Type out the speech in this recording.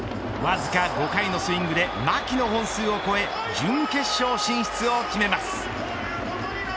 特大の１本目が飛び出すとわずか５回のスイングで牧の本数を超え準決勝進出を決めます。